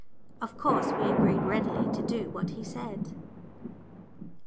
Of course we agreed readily to what he said.